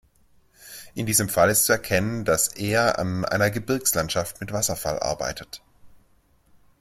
In diesem Fall ist zu erkennen, dass er an einer Gebirgslandschaft mit Wasserfall arbeitet.